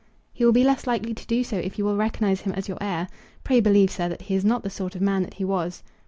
"He will be less likely to do so if you will recognise him as your heir. Pray believe, sir, that he is not the sort of man that he was."